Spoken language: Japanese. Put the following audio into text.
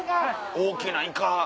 大きなイカ！